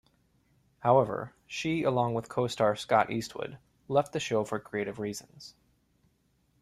However, she, along with co-star Scott Eastwood, left the show for creative reasons.